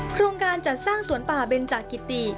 โครงการจัดสร้างสวนป่าเบนจากกิติ